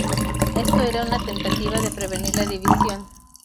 Esto era una tentativa de prevenir la división.